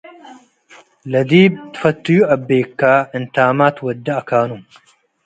ለዲብ ፈትዩ አቤከ - እንታመ ትወዴ አካኑ